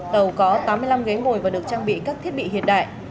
tàu có tám mươi năm ghế ngồi và được trang bị các thiết bị hiện đại